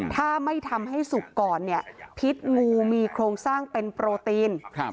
ถ้าไม่ทำให้สุกก่อนเนี่ยพิษงูมีโครงสร้างเป็นโปรตีน